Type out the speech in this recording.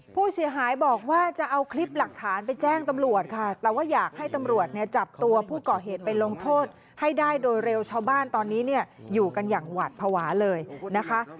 ผู้เสียหายบอกว่าจะเอาคลิปหลักฐานไปแจ้งตำรวจค่ะแต่ว่าอยากให้ตำรวจเนี่ยจับตัวผู้ก่อเหตุไปลงโทษให้ได้โดยเร็วชาวบ้านตอนนี้เนี่ยอยู่กันอย่างหวัดภาวะเลยนะคะ